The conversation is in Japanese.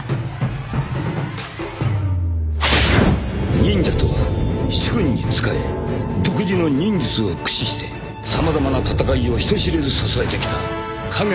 ［忍者とは主君に仕え独自の忍術を駆使して様々な戦いを人知れず支えてきた影の軍団である］